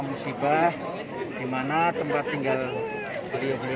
musibah dimana tempat tinggal beri beri